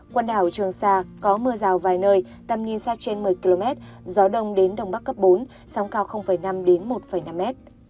quần đảo trường sa có mưa rào vài nơi tầm nhìn xa trên một mươi km gió đông đến đông bắc cấp bốn sóng cao năm một năm m